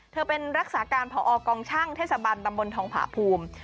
เธอเป็นรักษาการผอกองช่างเทศบันตำบลทองผาภูมิ